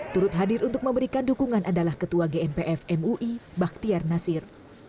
turut hadir untuk memberikan dukungan adalah ketua gnpf mui baktiar nasir